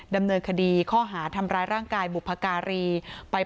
ดำเนินคดีข้อหาทำร้ายร่างกายบุพการี